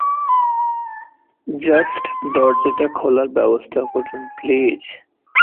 Just দরজাটা খোলার ব্যাবস্থা করুন প্লিজ?